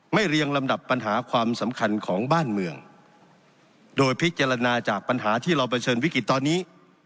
เรียงลำดับปัญหาความสำคัญของบ้านเมืองโดยพิจารณาจากปัญหาที่เราเผชิญวิกฤตตอนนี้